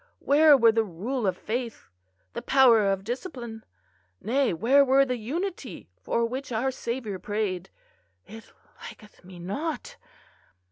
where were the Rule of Faith? the power of discipline? Nay, where were the unity for which our Saviour prayed? It liketh me not.